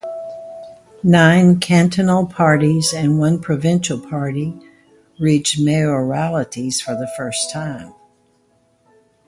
Nine cantonal parties and one provincial party reached mayoralties for the first time.